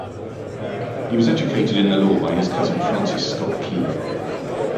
He was educated in the law by his cousin Francis Scott Key.